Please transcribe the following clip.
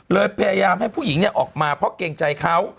พยายามให้ผู้หญิงออกมาเพราะเกรงใจเขา